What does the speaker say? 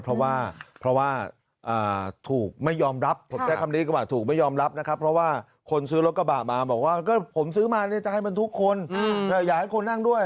เพราะว่าถูกไม่ยอมรับเพราะว่าคนซื้อรถกระบาดมาบอกว่าผมซื้อมาจะให้มันทุกคนแต่อย่าให้คนนั่งด้วย